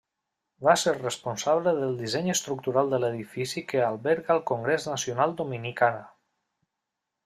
Va ser responsable del disseny estructural de l'edifici que alberga el Congrés Nacional Dominicana.